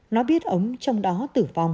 nó biết ông trong đó tử vong